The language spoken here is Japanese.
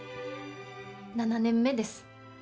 ７年目です。